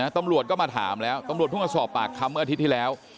ตำรวจก็มาถามแล้วตำรวจทุกคนสอบปากคำอาทิตย์ที่แล้ว